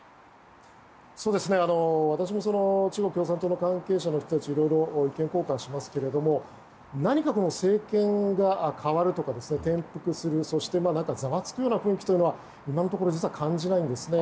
私も中国共産党の関係者の方といろいろ意見交換しますが何か、政権が変わるとか転覆するそしてざわつくような雰囲気は今のところ、感じないんですね。